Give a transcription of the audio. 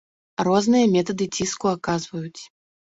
Розныя метады ціску аказваюць.